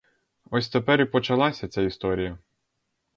Ось тепер і почалася ця історія.